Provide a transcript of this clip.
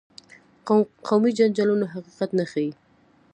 قومي جنجالونه حقیقت نه ښيي.